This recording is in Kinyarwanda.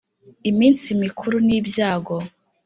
iminsi mikuru n‘ibyago